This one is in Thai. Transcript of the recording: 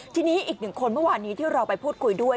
ทีนี้อีกหนึ่งคนเมื่อวานนี้ที่เราไปพูดคุยด้วย